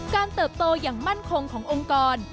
เติบโตอย่างมั่นคงขององค์กร